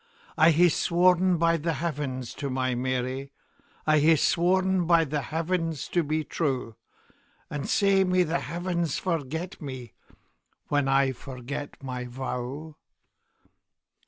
I hae sworn by the Heavens to my Mary,I hae sworn by the Heavens to be true; And sae may the Heavens forget me, When I forget my vow!